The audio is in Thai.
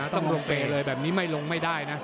ต้องลงเตะเลยแบบนี้ไม่ลงไม่ได้นะ